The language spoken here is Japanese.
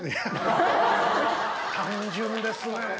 単純ですね。